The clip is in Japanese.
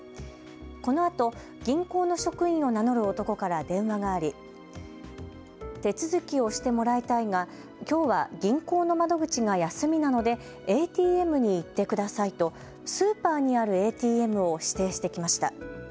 このあと銀行の職員を名乗る男から電話があり手続きをしてもらいたいがきょうは銀行の窓口が休みなのでＡＴＭに行ってくださいとスーパーにあるＡＴＭを指定してきました。